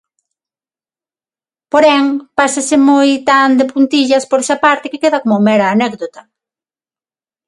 Porén pásase moi tan de puntillas por esa parte que queda como mera anécdota.